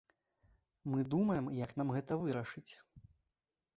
Мы думаем, як нам гэта вырашыць.